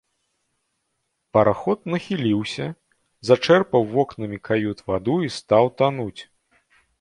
Параход нахіліўся, зачэрпаў вокнамі кают ваду і стаў тануць.